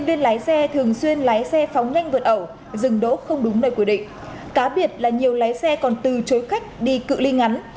nên lái xe thường xuyên lái xe phóng nhanh vượt ẩu dừng đỗ không đúng nơi quy định cá biệt là nhiều lái xe còn từ chối khách đi cự li ngắn